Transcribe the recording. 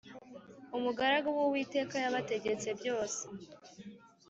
umugaragu w’Uwiteka yabategetse byose